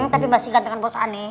tapi masih gantengan bos aneh